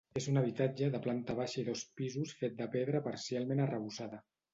És un habitatge de planta baixa i dos pisos fet de pedra parcialment arrebossada.